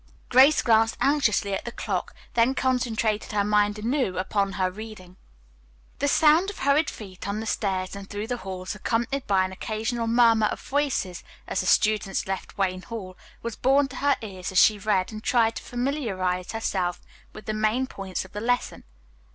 Grace glanced anxiously at the clock, then concentrated her mind anew upon her reading. The sound of hurried feet on the stairs and through the halls, accompanied by an occasional murmur of voices as the students left Wayne Hall, was borne to her ears as she read and tried to familiarize herself with the main points of the lesson.